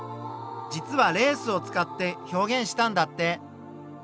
実はレースを使って表現したんだって。